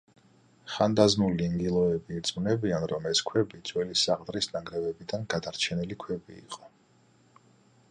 ხანდაზმული ინგილოები ირწმუნებიან, რომ ეს ქვები ძველი საყდრის ნანგრევებიდან გადარჩენილი ქვები იყო.